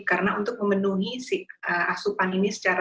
karena untuk memenuhi asupan ini secara